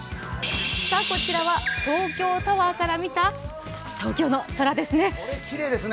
こちらは東京タワーから見た東京の空ですね。